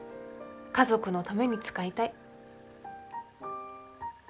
家族のために使いたい。